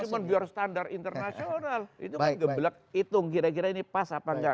cuma biar standar internasional itu kan geblek hitung kira kira ini pas apa enggak